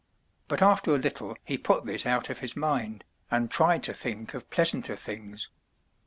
But after a little he put this out of his mind, and tried to think of pleasanter things.